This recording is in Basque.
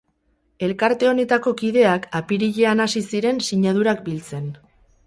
Elkarte honetako kideak apirilean hasi ziren sinadurak biltzen.